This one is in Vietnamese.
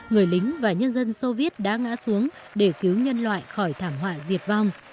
người lính và nhân dân soviet đã ngã xuống để cứu nhân loại khỏi thảm họa diệt vong